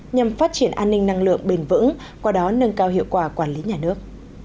nhằm phát triển an ninh năng lượng bền vững qua đó nâng cao hiệu quả quản lý nhà nước